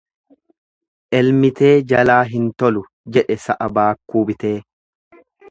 Elmitee jalaa hin tolu jedhe sa'a baakkuu bitee.